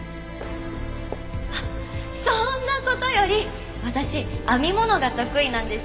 あっそんな事より私編み物が得意なんです。